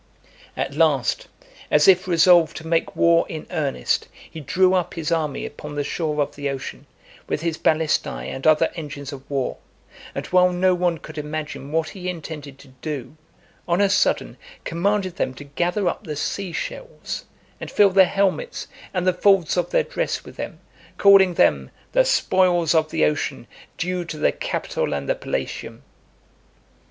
XLVI. At last, as if resolved to make war in earnest, he drew up his army upon the shore of the ocean, with his balistae and other engines of war, and while no one could imagine what he intended to do, on a sudden commanded them to gather up the sea shells, and fill their helmets, and the folds of their dress with them, calling them "the spoils of the ocean due to the Capitol and the Palatium."